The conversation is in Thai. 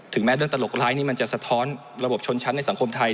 แม้เรื่องตลกร้ายนี้มันจะสะท้อนระบบชนชั้นในสังคมไทย